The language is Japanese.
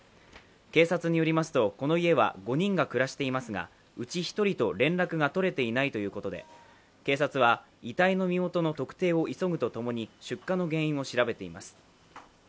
警察によりますとこの家は５人が暮らしていますがうち１人と連絡が取れていないということで、警察は遺体の身元の特定を急ぐとともに、出火の原因を調べています。